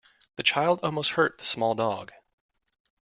The child almost hurt the small dog.